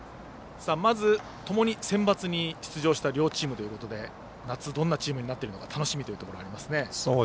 まず、ともにセンバツに出場した両チームということで夏、どんなチームになっているか楽しみなところですね。